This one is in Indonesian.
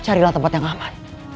carilah tempat yang aman